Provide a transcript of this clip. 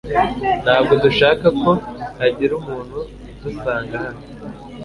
Ntabwo dushaka ko hagira umuntu udusanga hano .